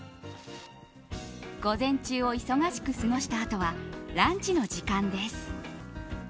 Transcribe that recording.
午前中を忙しく過ごしたあとはランチの時間です。